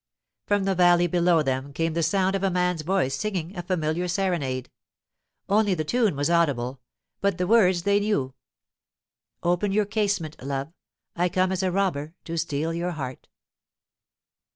From the valley below them there came the sound of a man's voice singing a familiar serenade. Only the tune was audible, but the words they knew: 'Open your casement, love. I come as a robber to steal your heart.